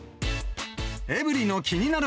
エブリィの気になる！